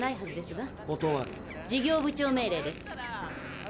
事業部長命令です。